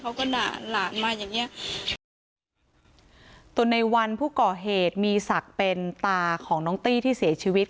ด่าหลานมาอย่างเงี้ยตัวในวันผู้ก่อเหตุมีศักดิ์เป็นตาของน้องตี้ที่เสียชีวิต